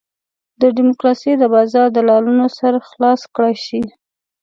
د ډیموکراسۍ د بازار دلالانو سر خلاص کړای شي.